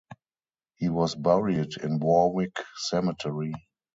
He was buried in Warwick Cemetery.